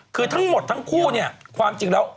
คือทั้งหมดทั้งคู่เนี่ยความจริงแล้ว